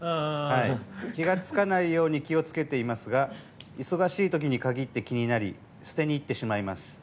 気がつかないように気をつけていますが忙しい時にかぎって気になり捨てに行ってしまいます。